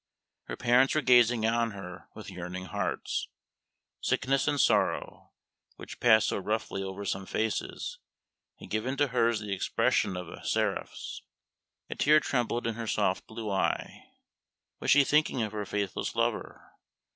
Her parents were gazing on her with yearning hearts. Sickness and sorrow, which pass so roughly over some faces, had given to hers the expression of a seraph's. A tear trembled in her soft blue eye. Was she thinking of her faithless lover?